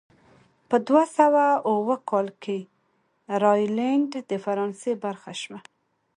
په دوه سوه اووه کال کې راینلنډ د فرانسې برخه شوه.